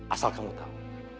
asal kamu tau